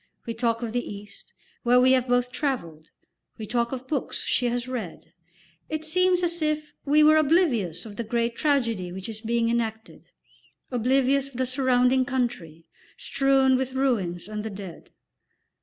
We talk of the East, where we have both travelled; we talk of books she has read; it seems as if we were oblivious of the great tragedy which is being enacted, oblivious of the surrounding country, strewn with ruins and the dead.